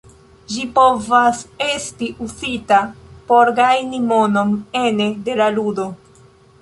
Ĝi povas esti uzita por gajni monon ene de la ludo.